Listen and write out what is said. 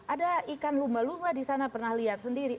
ada ikan lumba lumba di sana pernah lihat sendiri